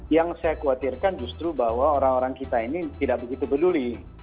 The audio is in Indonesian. yang saya khawatirkan justru bahwa orang orang kita ini tidak begitu peduli